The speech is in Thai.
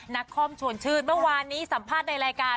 นักคอมชวนชื่นเมื่อวานนี้สัมภาษณ์ในรายการ